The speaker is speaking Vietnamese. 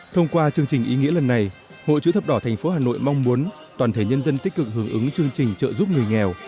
thông qua chương trình ý nghĩa lần này hội chữ thập đỏ tp hà nội mong muốn toàn thể nhân dân tích cực hướng ứng chương trình trợ giúp người nghèo